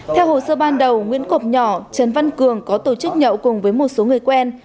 theo hồ sơ ban đầu nguyễn cộp nhỏ trần văn cường có tổ chức nhậu cùng với một số người quen